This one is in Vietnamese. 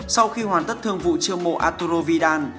sau khi hoàn tất thương vụ trương mộ arturo vidal